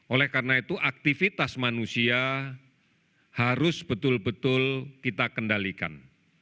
oleh karena itu aktivitas manusia harus betul betul kita kendalikan